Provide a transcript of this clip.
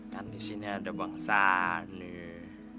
kan di sini ada bangsa nih